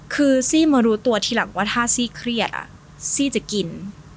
คือซี่มารู้ตัวทีหลังว่าถ้าซี่เครียดซี่จะกิน